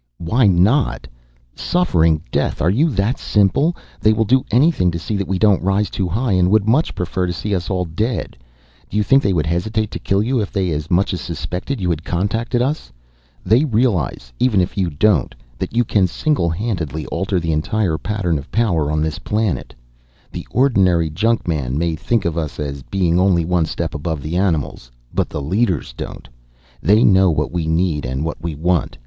"Why not! Suffering death are you that simple! They will do anything to see that we don't rise too high, and would much prefer to see us all dead. Do you think they would hesitate to kill you if they as much as suspected you had contacted us? They realize even if you don't that you can singlehandedly alter the entire pattern of power on this planet. The ordinary junkman may think of us as being only one step above the animals, but the leaders don't. They know what we need and what we want.